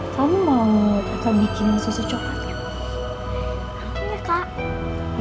kamu mau kakak bikin susu coklat gitu